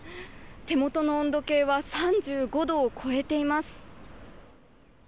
手元の温度計は３５度を超えています。